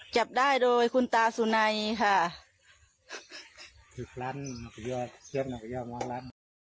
จับได้โดยคุณตาสุนัยค่ะ